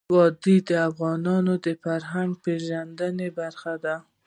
وادي د افغانانو د فرهنګ پیژندني برخه ده.